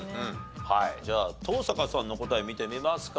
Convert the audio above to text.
はいじゃあ登坂さんの答え見てみますか。